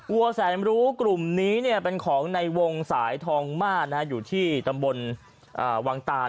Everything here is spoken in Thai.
วัวแสนรู้กลุ่มนี้เป็นของในวงสายทองมาอยู่ที่ตำบลวังตาน